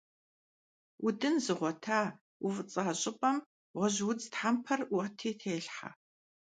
Удын зыгъуэта, уфӀыцӀа щӀыпӀэм гъуэжьудз тхьэмпэр Ӏуэти телъхьэ.